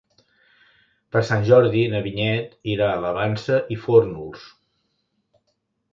Per Sant Jordi na Vinyet irà a la Vansa i Fórnols.